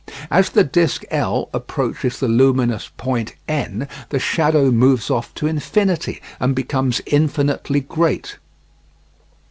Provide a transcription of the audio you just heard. As the disc L approaches the luminous point N, the shadow moves off to infinity, and becomes infinitely great.